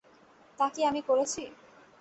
তা কি আমি করেছি?